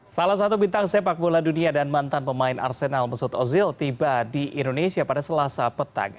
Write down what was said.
salah satu bintang sepak bola dunia dan mantan pemain arsenal mesut ozil tiba di indonesia pada selasa petang